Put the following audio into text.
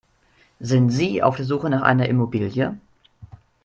Sind Sie auf der Suche nach einer Immobilie?